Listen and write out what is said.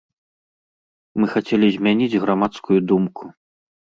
Мы хацелі змяніць грамадскую думку.